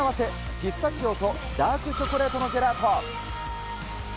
ピスタチオとダークチョコレートのジェラート。